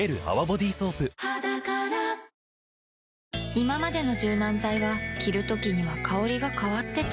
いままでの柔軟剤は着るときには香りが変わってた